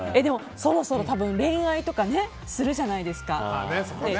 そろそろ恋愛とかするじゃないですか。